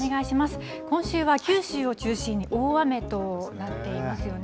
今週は九州を中心に大雨となっていますよね。